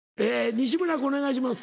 西村君お願いします。